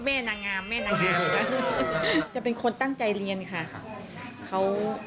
ให้ประเทศไทยค่ะ